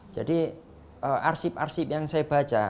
jadi arsip arsip yang saya baca